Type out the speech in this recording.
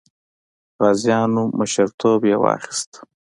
غازیانو مشرتوب یې واخیست.